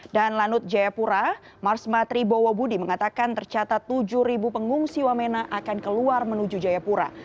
dan lanut jayapura mars matri bowobudi mengatakan tercatat tujuh pengungsi wamena akan keluar menuju jayapura